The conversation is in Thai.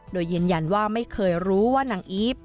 โดยยืนยันว่าไม่เคยรู้ว่านางอีฟ